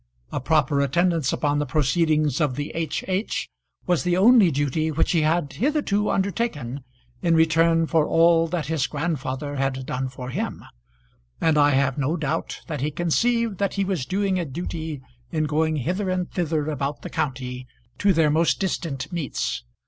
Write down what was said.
A proper attendance upon the proceedings of the H. H. was the only duty which he had hitherto undertaken in return for all that his grandfather had done for him, and I have no doubt that he conceived that he was doing a duty in going hither and thither about the county to their most distant meets.